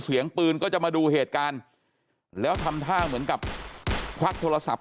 เสียงปืนก็จะมาดูเหตุการณ์แล้วทำท่าเหมือนกับควักโทรศัพท์